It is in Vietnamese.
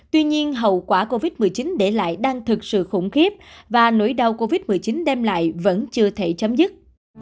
tuy nhiên hậu quả covid một mươi chín để lại đang thực sự khủng khiếp và nỗi đau covid một mươi chín đem lại vẫn chưa thể chấm dứt